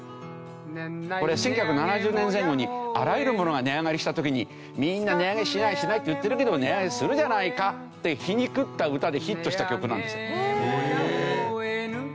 これ１９７０年前後にあらゆる物が値上がりした時にみんな値上げしないしないって言ってるけども値上げするじゃないかって皮肉った歌でヒットした曲なんですよ。へえ！